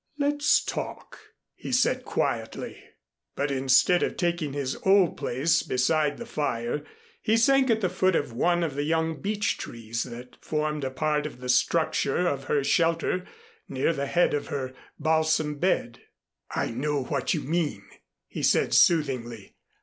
"Let's talk," he said quietly. But instead of taking his old place beside the fire, he sank at the foot of one of the young beech trees that formed a part of the structure of her shelter near the head of her balsam bed. "I know what you mean," he said soothingly.